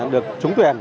được trúng tuyển